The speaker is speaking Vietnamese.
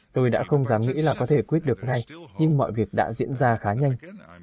tôi đã không dám nghĩ là có thể quyết được ngay nhưng mọi việc đã diễn ra khá nhanh